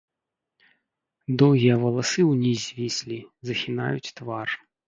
Доўгія валасы ўніз звіслі, захінаюць твар.